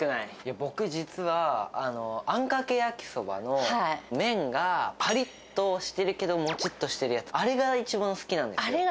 僕、実は、あんかけ焼きそばの麺がぱりっとしてるけども、もちっとしてるやあれが好きですか。